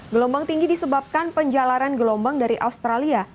gelombang tinggi disebabkan penjalaran gelombang dari australia